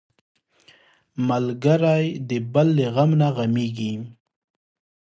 ملګری د بل له غم نه غمېږي